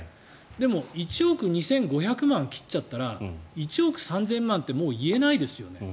でも、１億２５００万人を切っちゃったら１億３０００万ってもう言えないですよね。